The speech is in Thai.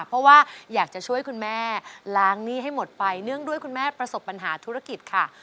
เพราะว่าอยากจะช่วยคุณแม่ล้างหนี้ให้หมดไปเนื่องด้วยคุณแม่ประสบปัญหาธุรกิจค่ะ